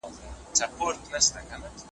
دیوالونه د ده د خاموشۍ شاهدان دي.